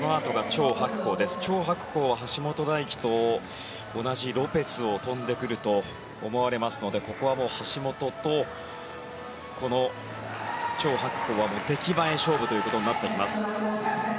チョウ・ハクコウは橋本大輝と同じロペスを跳んでくると思われますのでここは橋本とチョウ・ハクコウは出来栄え勝負というところになってきます。